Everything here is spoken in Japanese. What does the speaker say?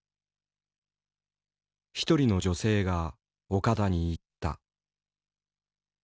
１人の女性が岡田に言った。